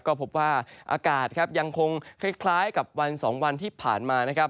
ก็พบว่าอากาศครับยังคงคล้ายกับวัน๒วันที่ผ่านมานะครับ